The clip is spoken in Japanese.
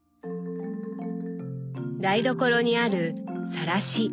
台所にある「さらし」。